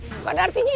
gak ada artinya